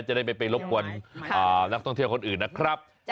จะได้ไม่ไปรบกวนนักท่องเที่ยวคนอื่นนะครับ